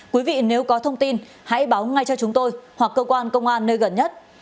quý vị nếu có thông tin hãy báo ngay cho chúng tôi hoặc cơ quan công an nơi gần nhất